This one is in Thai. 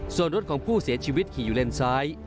ส่วนรถของผู้เสียชีวิตขี่อยู่เลนซ้าย